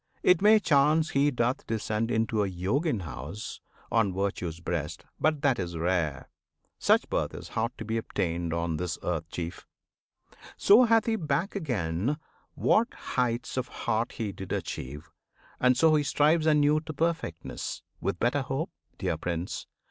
It may chance He doth descend into a Yogin house On Virtue's breast; but that is rare! Such birth Is hard to be obtained on this earth, Chief! So hath he back again what heights of heart He did achieve, and so he strives anew To perfectness, with better hope, dear Prince!